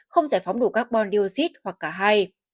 không giải phóng đủ carbon dioxide hoặc cả hai